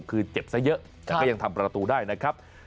คือเจ็บซะเยอะแต่ก็ยังทำประตูได้นะครับ